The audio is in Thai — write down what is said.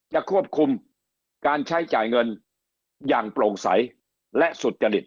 ควบคุมการใช้จ่ายเงินอย่างโปร่งใสและสุจริต